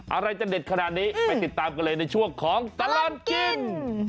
อะไรจะเด็ดขนาดนี้ไปติดตามกันเลยในช่วงของตลอดกิน